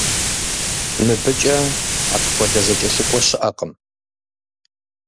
Мыбыкӏэ апхуэдэ зэкӀэлъыкӀуэ щыӀэкъым.